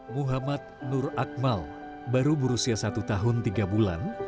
muhammad nur akmal baru berusia satu tahun tiga bulan